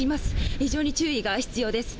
非常に注意が必要です。